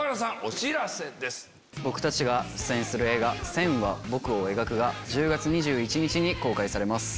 僕たちが出演する映画『線は、僕を描く』が１０月２１日に公開されます。